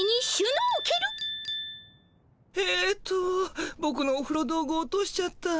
えっとボクのおふろ道具落としちゃった。